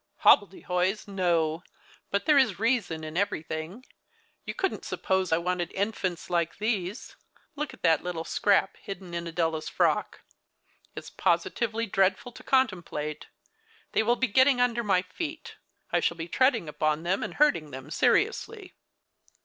" Hobbledehoys ! no, but there is reason in everything. You couldn't suppose I wanted infants like these — look at that little scrap hidden in Adela's frock. It's posi tively dreadful to contemplate ! They will be getting under my feet. I shall be treading upon them, and hmling them seriously."